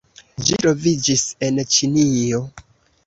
Ĝi troviĝis en Ĉinio.